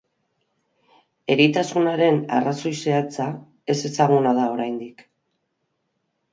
Eritasunaren arrazoi zehatza ezezaguna da oraindik.